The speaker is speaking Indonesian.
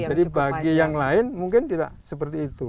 jadi bagi yang lain mungkin tidak seperti itu